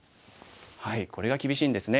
これが厳しいんですね。